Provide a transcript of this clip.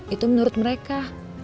itu menurut mereka